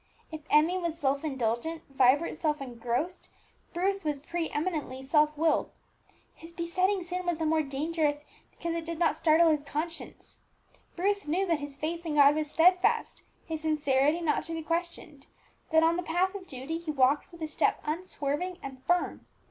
If Emmie was self indulgent, Vibert self engrossed, Bruce was pre eminently self willed. His besetting sin was the more dangerous because it did not startle his conscience. Bruce knew that his faith in God was steadfast, his sincerity not to be questioned, that on the path of duty he walked with a step unswerving and firm.